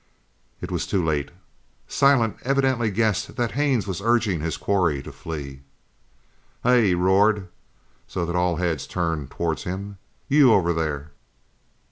It was too late. Silent evidently guessed that Haines was urging his quarry to flee. "Hey!" he roared, so that all heads turned towards him, "you over there."